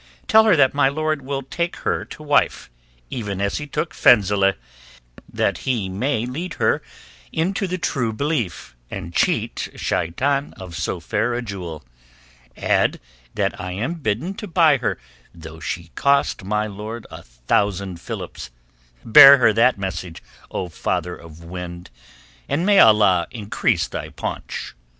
Tell her that my lord will take her to wife, even as he took Fenzileh, that he may lead her into the True Belief and cheat Shaitan of so fair a jewel. Add that I am bidden to buy her though she cost my lord a thousand philips. Bear her that message, O father of wind, and may Allah increase thy paunch!"